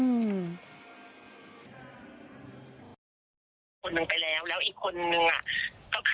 อีกคนนึงไปแล้วแล้วอีกคนนึงอ่ะ